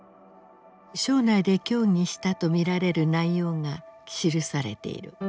省内で協議したと見られる内容が記されている。